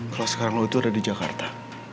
kalau sekarang lo itu ada di jakarta